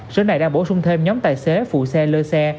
sở này đã bổ sung thêm nhóm tài xế phụ xe lơ xe